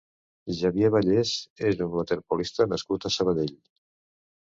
Xavier Vallès és un waterpolista nascut a Sabadell.